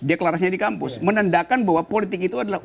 deklarasinya di kampus menandakan bahwa politik itu adalah